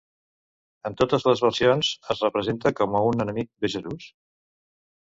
En totes les versions es representa com a un enemic de Jesús?